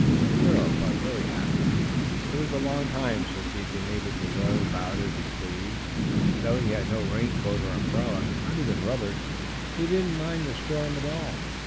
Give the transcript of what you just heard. Nero felt very happy. It was a long time since he had been able to roam about as he pleased, and though he had no raincoat or umbrella, and not even rubbers, he didn't mind the storm at all.